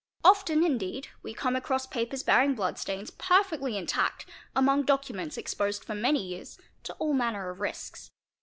Often, indeed, we come across papers bearing blood stains per fectly intact among documents exposed for many years to all manner of risks.